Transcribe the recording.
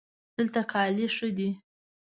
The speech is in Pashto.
دلته کالي ښه دي